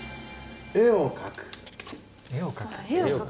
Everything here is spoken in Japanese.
絵を描く？